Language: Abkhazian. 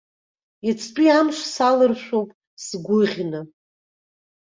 Иацтәи амш саларшәуп сгәыӷьны.